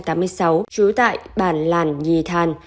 trú tại bản làn nhì thàn